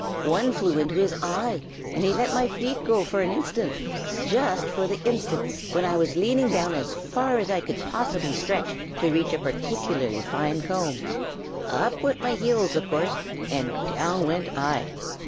One flew into his eye, and he let my feet go for an instant, just just for the very instant when I was leaning down as far as I could possibly stretch to reach a particularly fine comb. Up went my heels, of course, and down went I."